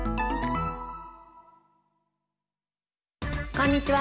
こんにちは。